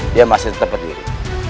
dia masih tetap berdiri